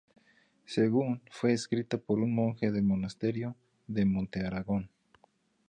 Según fue escrita por un monje del monasterio de Montearagón.